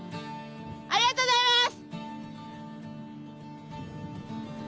ありがとうございます！